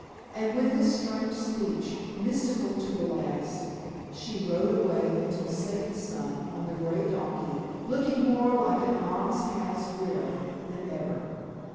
And with this strange speech, mystical to the last, she rode away into the setting sun, on the gray donkey, looking more like an almshouse widow than ever.